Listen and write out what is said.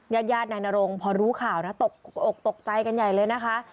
ญาติยาดนายนรงค์พอรู้ข่าวตกใจกันใหญ่เลยนะคะ